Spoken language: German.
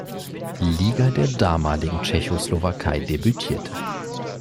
Liga der damaligen Tschechoslowakei debütierte.